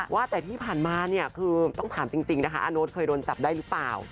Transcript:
ว่าแต่ที่ผ่านมาเนี่ยคือต้องถามจริงนะคะอาโน๊ตเคยโดนจับได้หรือเปล่า